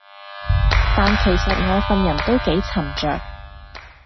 但其實我份人都幾沉着